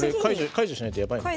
解除しないとやばい。